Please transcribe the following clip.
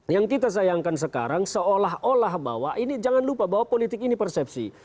yang kita sayangkan sekarang seolah olah bahwa ini jangan lupa bahwa politik ini persepsi